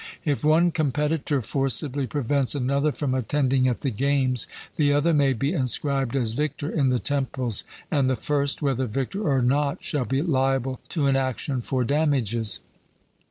If one competitor forcibly prevents another from attending at the games, the other may be inscribed as victor in the temples, and the first, whether victor or not, shall be liable to an action for damages.